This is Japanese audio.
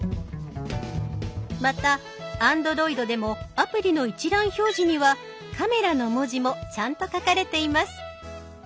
またＡｎｄｒｏｉｄでもアプリの一覧表示には「カメラ」の文字もちゃんと書かれています。